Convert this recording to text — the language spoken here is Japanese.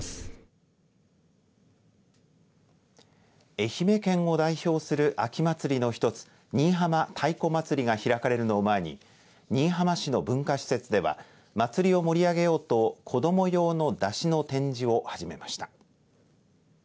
愛媛県を代表する秋祭りの一つ新居浜太鼓祭りが開かれるのを前に新居浜市の文化施設では祭りを盛り上げようと子ども用の山車の展示を始めました。